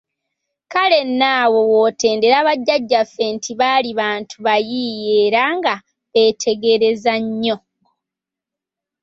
Kale nno awo w'otendera Bajjaajjaffe nti baali bantu bayiiya era nga beetegereza nnyo.